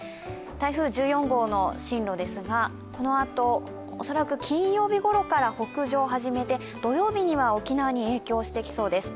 台風１４号の進路ですが、このあと恐らく金曜日ごろから北上を始めて土曜日には沖縄に影響してきそうです。